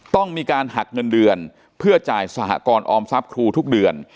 ต้องมีการหักเงินเดือนเพื่อจ่ายสหกรออมทรัพย์ครูทุกเดือน